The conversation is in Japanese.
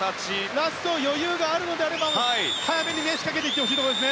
ラスト余裕があるのであれば早めに仕掛けてほしいです。